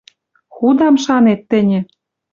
Худам шанет тӹньӹ.